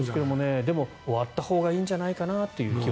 でも、終わったほうがいいんじゃないかなという気は。